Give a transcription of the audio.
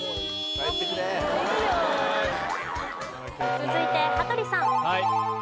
続いて羽鳥さん。